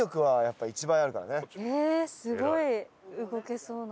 えっすごい動けそうな。